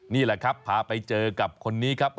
นี่แหละครับพาไปเจอกับคนนี้ครับ